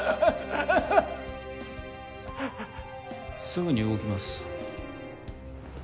すぐに動きます。